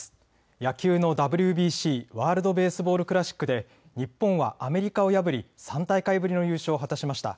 野球のＷＢＣ・ワールド・ベースボール・クラシックで日本はアメリカを破り３大会ぶりの優勝を果たしました。